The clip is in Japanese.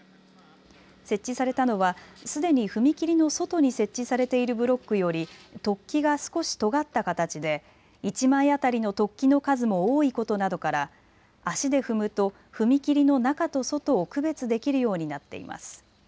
設置されたのはすでに踏切の外に設置されているブロックより突起が少しとがった形で１枚当たりの突起の数も多いことなどから足で踏むと踏切の中と外を区別できるようになっています。